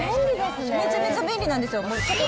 めちゃめちゃ便利なんですよ。